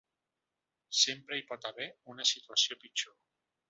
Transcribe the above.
Sempre hi pot haver una situació pitjor.